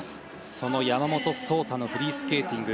その山本草太のフリースケーティング。